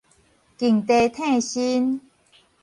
楗地牚身